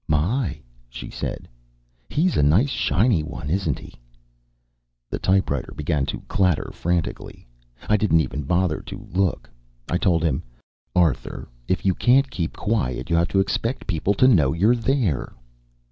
"My," she said, "he's a nice shiny one, isn't he?" The typewriter began to clatter frantically. I didn't even bother to look; I told him: "Arthur, if you can't keep quiet, you have to expect people to know you're there."